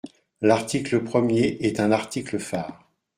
L’article premier est un article phare.